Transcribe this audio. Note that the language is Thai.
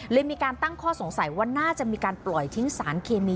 มีการตั้งข้อสงสัยว่าน่าจะมีการปล่อยทิ้งสารเคมี